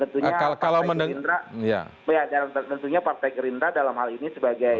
dan tentunya partai gerindra dalam hal ini sebagai